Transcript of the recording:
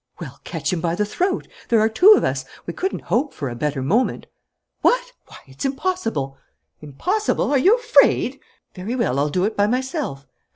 "Well, catch him by the throat! There are two of us; we couldn't hope for a better moment." "What! Why, it's impossible!" "Impossible? Are you afraid? Very well, I'll do it by myself."